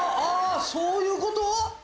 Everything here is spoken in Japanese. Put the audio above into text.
そういうこと？